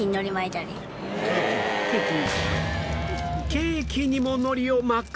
ケーキにも海苔を巻く！？